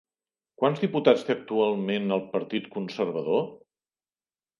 Quants diputats té actualment el Partit Conservador?